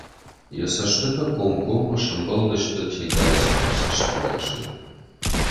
Йӕ цӕстытӕ комкоммӕ сӕмбӕлдысты Тегайы цӕхӕр цӕстӕнгасыл.